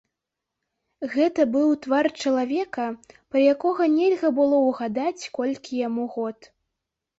Гэта быў твар чалавека, пра якога нельга было ўгадаць, колькі яму год.